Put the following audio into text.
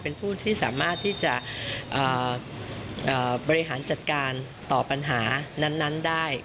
เป็นผู้ที่สามารถที่จะบริหารจัดการต่อปัญหานั้นได้